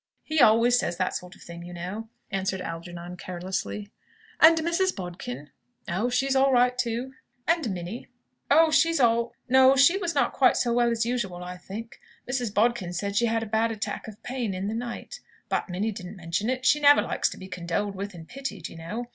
He always says that sort of thing, you know," answered Algernon carelessly. "And Mrs. Bodkin?" "Oh, she's all right, too." "And Minnie?" "Oh, she's all no; she was not quite so well as usual, I think. Mrs. Bodkin said she had had a bad attack of pain in the night. But Minnie didn't mention it. She never likes to be condoled with and pitied, you know.